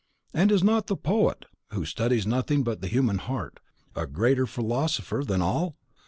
And is not the POET, who studies nothing but the human heart, a greater philosopher than all?